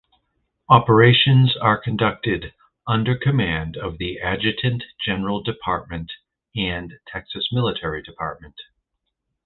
Operations are conducted under command of the Adjutant General Department and Texas Military Department.